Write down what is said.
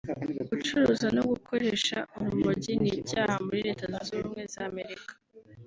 Gucuruza no gukoresha urumogi ni icyaha muri Leta Zunze Ubumwe za Amerika